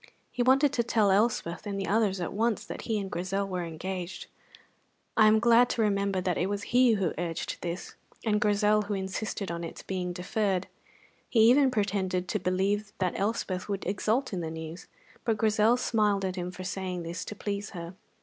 He wanted to tell Elspeth and the others at once that he and Grizel were engaged. I am glad to remember that it was he who urged this, and Grizel who insisted on its being deferred. He even pretended to believe that Elspeth would exult in the news; but Grizel smiled at him for saying this to please her.